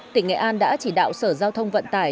tỉnh nghệ an đã chỉ đạo sở giao thông vận tải